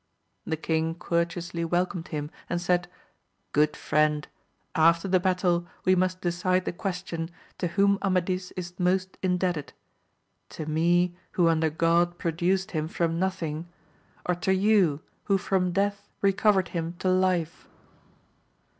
The king cour teously welcomed him and said, good friend, after the battle we must decide the question to whom Amadis is most indebted, to me who under God produced him from nothing, or to you who from death recovered him to life.